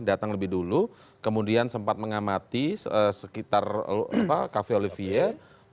datang lebih dulu kemudian sempat mengamati sekitar cafe olivier